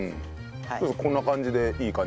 こんな感じでいい感じですか？